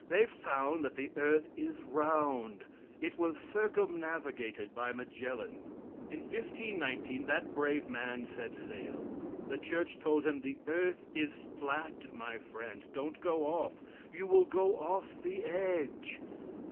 They found that the earth is round. It was circumnavigated by Magellan. In 1519 that brave man set sail. The church told him: "The earth is flat, my friend; don't go off. You will go off the edge."